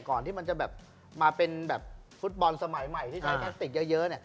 ก่อนที่มันจะมาเป็นฟุตบอลสมัยใหม่ที่ใช้แคลสติกเยอะเนี่ย